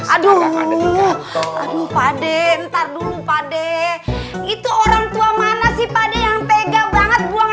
aduh aduh pade ntar dulu pade itu orang tua mana sih pada yang tega banget buang